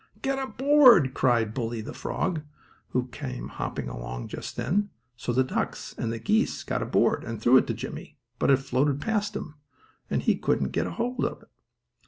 "Get a board!" cried Bully, the frog, who came hopping along just then. So the ducks and the geese got a board and threw it to Jimmie, but it floated past him, and he couldn't get upon it.